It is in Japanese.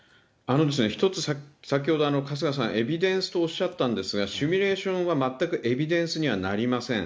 一つ、先ほど春日さん、エビデンスとおっしゃったんですが、シミュレーションは全くエビデンスにはなりません。